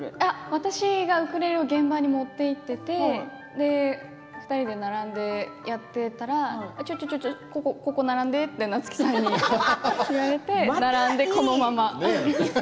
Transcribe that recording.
私がウクレレを現場に持っていっていて２人で並んでやっていたらちょっとここ並んでって夏木さんに言われて並んでこのまま。